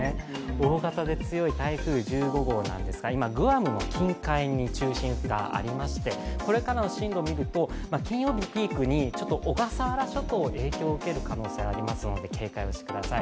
大型で強い台風１５号なんですが今、グアムの近海に中心がありまして、これからの進路を見ると、金曜日をピークに小笠原諸島が影響を受ける可能性がありますので、警戒をしてください。